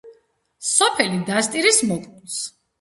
სოფელი დასტირის მოკლულს.